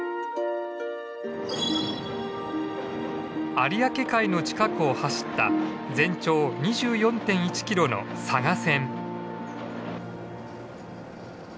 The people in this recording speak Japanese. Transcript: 有明海の近くを走った全長２４．１キロの佐賀線。